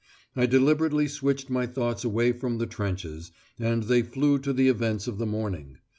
I deliberately switched my thoughts away from the trenches, and they flew to the events of the morning.